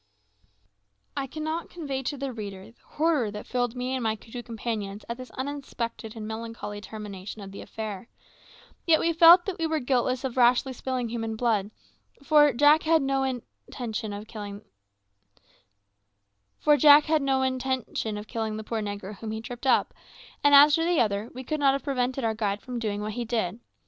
I cannot convey to the reader the horror that filled me and my two companions at this unexpected and melancholy termination of the affair. Yet we felt that we were guiltless of rashly spilling human blood, for Jack had no intention of killing the poor negro whom he tripped up; and as to the other, we could not have prevented our guide from doing what he did.